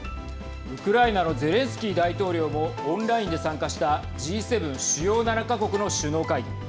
ウクライナのゼレンスキー大統領もオンラインで参加したＧ７＝主要７か国の首脳会議。